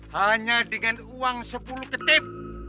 hanya dengan uang sepuluh ketip